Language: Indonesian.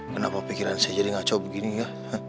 kenapa pikiran saya jadi ngaco begini ya